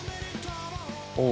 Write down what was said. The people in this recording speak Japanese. おお。